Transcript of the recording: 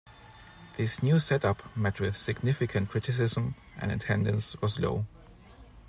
This new setup met with significant criticism and attendance was low.